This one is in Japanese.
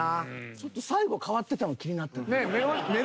ちょっと最後変わってたの気になった。